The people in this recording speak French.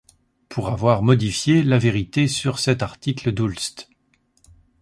Pour avoir modifié la vérité sur cet article d'Hulst.